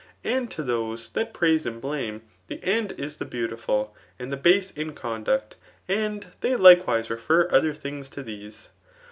, Add to those that praise and blame, the end is the beautiful and the base in conduct ; and they likewise refer other things to these.